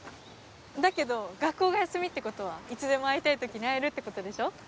だけど学校が休みってことはいつでも会いたい時に会えるってことでしょ？